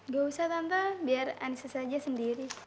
gak usah tante biar anissa aja sendiri